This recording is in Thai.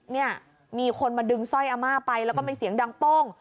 เนี่ยมีคนมาดึงสร้อยอาม่าไปแล้วก็มีเสียงดังโป้ง